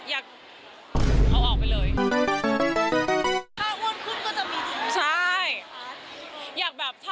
อยากเอาออกไปเลยถ้าอ้วนขึ้นก็จะมีดูดเหนียงใช่อยากแบบ